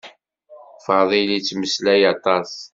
Faḍil yettmeslay aṭas.